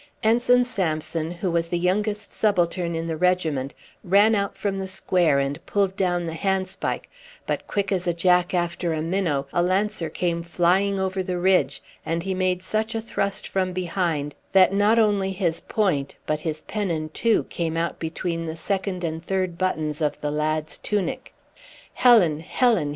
Ensign Samson, who was the youngest subaltern in the regiment, ran out from the square and pulled down the hand spike; but quick as a jack after a minnow, a lancer came flying over the ridge, and he made such a thrust from behind that not only his point but his pennon too came out between the second and third buttons of the lad's tunic. "Helen! Helen!"